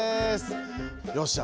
よっしゃ。